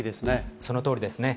そのとおりですね。